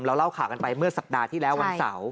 เล่าข่าวกันไปเมื่อสัปดาห์ที่แล้ววันเสาร์